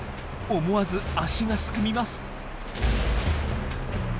思わず足がすくみます。